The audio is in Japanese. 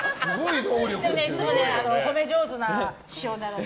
でも、いつも褒めるのが上手な師匠なので。